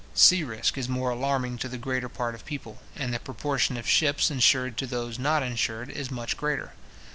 Sea risk is more alarming to the greater part of people; and the proportion of ships insured to those not insured is much greater.